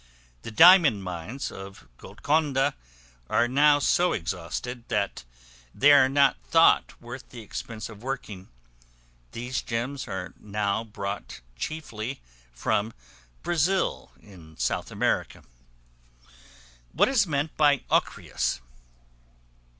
The diamond mines of Golconda are now so exhausted, that they are not thought worth the expense of working; these gems are now brought chiefly from Brazil, in South America. What is meant by Ochreous?